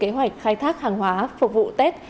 kế hoạch khai thác hàng hóa phục vụ tết